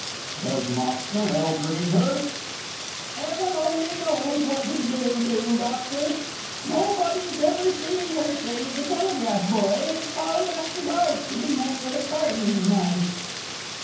"Does Moxton ill treat her?" "'Eaven only knows what he do do, doctor. Nobody's ever seen her save the telegraph boy as called after dark, to be met with a carving knife."